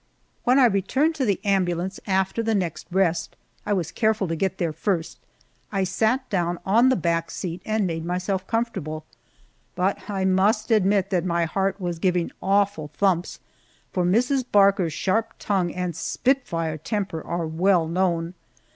When I returned to the ambulance after the next rest I was careful to get there first I sat down on the back seat and made myself comfortable, but I must admit that my heart was giving awful thumps, for Mrs. Barker's sharp tongue and spitfire temper are well known.